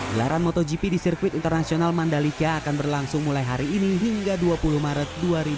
gelaran motogp di sirkuit internasional mandalika akan berlangsung mulai hari ini hingga dua puluh maret dua ribu dua puluh